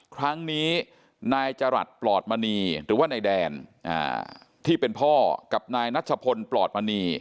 ครั้งนี้นายจรัสปลอดมณีหรือว่านายแดนที่เป็นพ่อกับนายนัชพลปลอดมณี